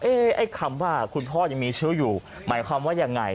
ไอ้คำว่าคุณพ่อยังมีเชื้ออยู่หมายความว่ายังไง